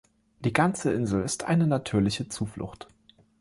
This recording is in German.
Die ganze Insel ist eine natürliche Zuflucht.